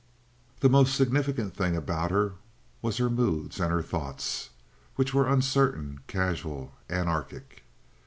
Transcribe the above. The most significant thing about her was her moods and her thoughts, which were uncertain, casual, anarchic.